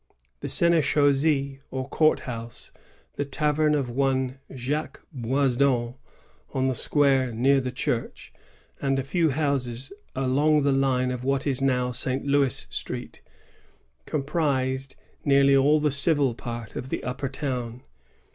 The sSnSchaussSe or court house, the tavern of one Jacques Boisdon on the square near the church, and a few houses along the line of what is now St. Louis Street comprised nearly all the civil part of the Upper Town.